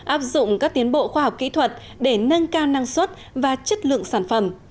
áp dụng các tiến bộ khoa học kỹ thuật để nâng cao năng suất và chất lượng sản phẩm